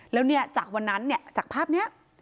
แล้วจากวันนั้นจากภาพนี้